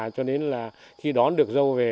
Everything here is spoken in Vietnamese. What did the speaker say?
cho đến khi đón được dâu về